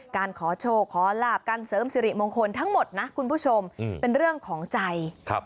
การขอโชคขอลาบการเสริมสิริมงคลทั้งหมดนะคุณผู้ชมเป็นเรื่องของใจ